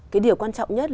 cái điều quan trọng nhất